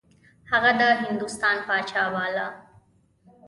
هغه د هندوستان پاچا باله.